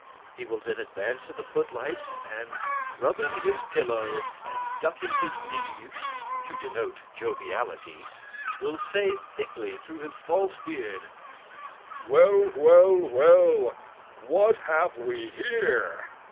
He will then advance to the footlights, and, rubbing his pillow and ducking his knees to denote joviality, will say thickly through his false beard: "Well, well, well, what have we here?